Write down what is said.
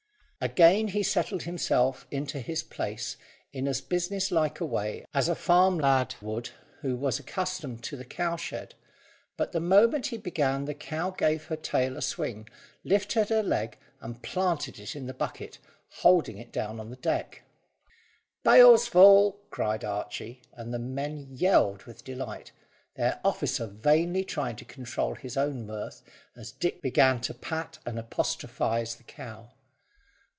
Again he settled himself into his place in as businesslike a way as a farm lad would who was accustomed to the cow shed, but the moment he began the cow gave her tail a swing, lifted her leg, and planted it in the bucket, holding it down on the deck. "Pail's full," cried Archy; and the men yelled with delight, their officer vainly trying to control his own mirth as Dick began to pat and apostrophise the cow.